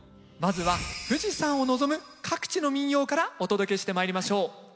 まずは富士山を望む各地の民謡からお届けしてまいりましょう。